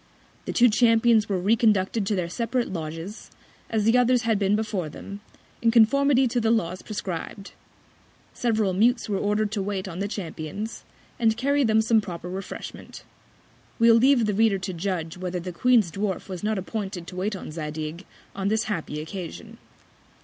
The two Champions were reconducted to their separate Lodges, as the others had been before them, in Conformity to the Laws prescrib'd. Several Mutes were order'd to wait on the Champions, and carry them some proper Refreshment. We'll leave the Reader to judge whether the Queen's Dwarf was not appointed to wait on Zadig on this happy Occasion.